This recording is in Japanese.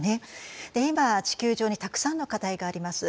今地球上にたくさんの課題があります。